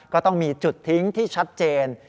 ก็ต้องมีจุดทิ้งที่ชัดเจน